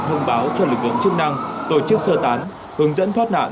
thông báo cho lực lượng chức năng tổ chức sơ tán hướng dẫn thoát nạn